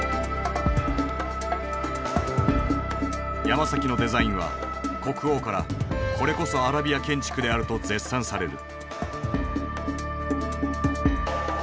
ヤマサキのデザインは国王からこれこそアラビア建築であると絶賛される。